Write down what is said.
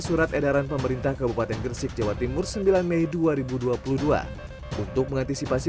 surat edaran pemerintah kabupaten gresik jawa timur sembilan mei dua ribu dua puluh dua untuk mengantisipasi